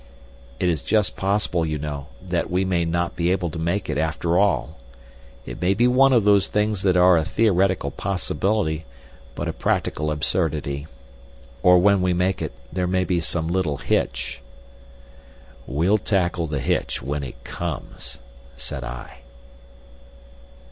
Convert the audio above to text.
"It is just possible, you know, that we may not be able to make it after all! It may be one of those things that are a theoretical possibility, but a practical absurdity. Or when we make it, there may be some little hitch!" "We'll tackle the hitch when it comes," said I.